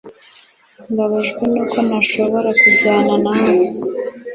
Mbabajwe nuko ntashobora kujyana nawe